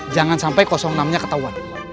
jangan sampai enam nya ketahuan